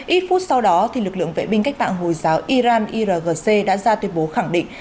ít phút sau đó lực lượng vệ binh cách mạng hồi giáo iran irgc đã ra tuyên bố khẳng định